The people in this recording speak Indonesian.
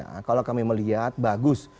nah kalau kami melihat bagus